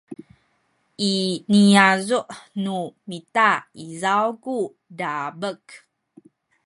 i niyazu’ nu mita izaw ku dabek